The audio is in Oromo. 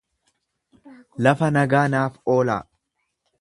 Lafa nagaa naaf oolaa